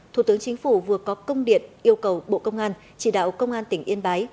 thủ tướng chính phủ vừa có công điện yêu cầu bộ công an chỉ đạo công an tỉnh yên bái